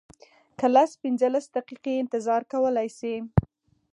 که لس پنځلس دقیقې انتظار کولی شې.